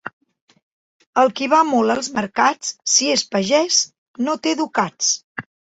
El qui va molt als mercats, si és pagès, no té ducats.